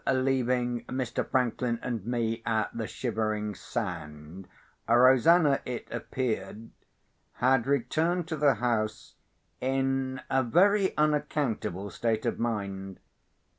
After leaving Mr. Franklin and me at the Shivering Sand, Rosanna, it appeared, had returned to the house in a very unaccountable state of mind.